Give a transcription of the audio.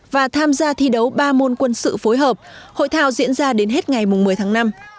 và tham gia thi đấu ba môn quân sự phối hợp hội thao diễn ra đến hết ngày một mươi tháng năm